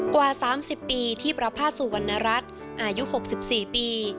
กว่า๓๐ปีที่ประพาทสุวรรณรัฐอายุ๖๔ปี